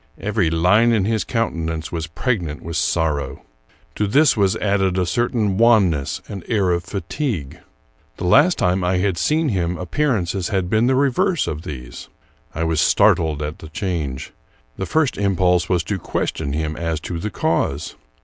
Every line in his countenance was pregnant with sorrow. To this was added a certain wanness and air of fatigue. The last time I had seen him appearances had been the reverse of these. I was startled at the change. The first impulse was to ques tion him as to the cause.